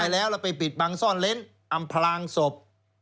แล้วแล้วไปปิดบังซ่อนเล้นอำพลางศพ